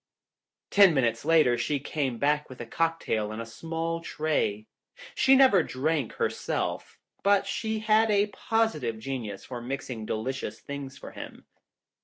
Ten minutes later she came back with a cocktail on a small tray. She never drank her self, but she had a positive genius for mixing delicious things for him.